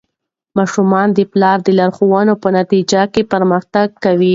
ماشومان د پلار د لارښوونو په نتیجه کې پرمختګ کوي.